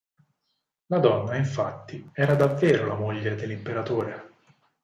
La donna, infatti, era davvero la moglie dell'imperatore.